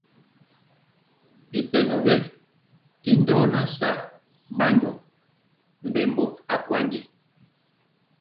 Bimpinɔ wɛ i ɗɔŋa saa ɓanjɔ bimbembɔ akwandi.